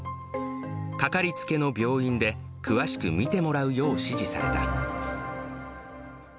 かかりつけの病院で、詳しく診てもらうよう指示された。